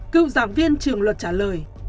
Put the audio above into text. cựu giảng viên trường luật trả lời